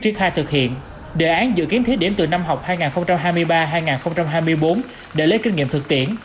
triết khai thực hiện đề án dự kiến thiết điểm từ năm học hai nghìn hai mươi ba hai nghìn hai mươi bốn để lấy kinh nghiệm thực tiễn